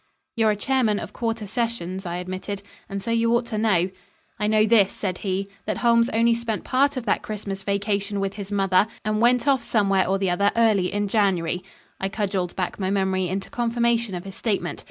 "You're a Chairman of Quarter Sessions," I admitted, "and so you ought to know." "I know this," said he, "that Holmes only spent part of that Christmas vacation with his mother, and went off somewhere or the other early in January." I cudgelled back my memory into confirmation of his statement.